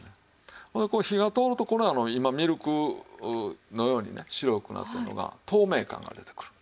これ火が通るとこれ今ミルクのようにね白くなってるのが透明感が出てくる。